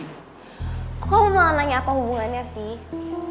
kok kamu malah nanya apa hubungannya sih